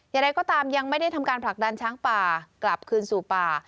อย่างไรก็ตามยังไม่ได้ทำการผลักดันช้างป่ากลับคืนสู่ป่า